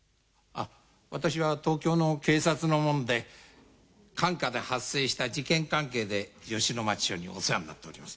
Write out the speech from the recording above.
私は東京の警察の者で管下で発生した事件関係で吉野町署にお世話になっております。